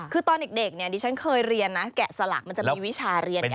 คือตอนเด็กเนี่ยดิฉันเคยเรียนนะแกะสลักมันจะมีวิชาเรียนไง